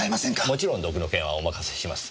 もちろん毒の件はお任せします。